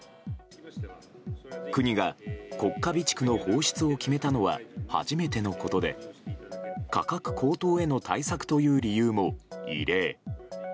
国が国家備蓄の放出を決めたのは初めてのことで価格高騰への対策という理由も異例。